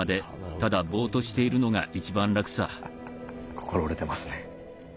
心折れてますね。